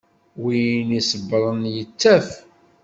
Win iṣebbren, yettaf.